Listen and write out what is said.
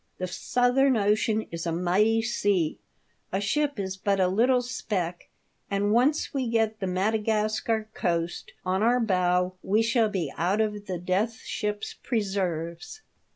The Southern Ocean is a mighty sea, a ship is but a little speck, and once we get the Mada gascar coast on our bow we shall be out of the Death Ship's preserves."